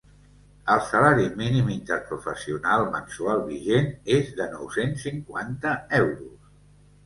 El salari mínim interprofessional mensual vigent és de nou-cents cinquanta euros.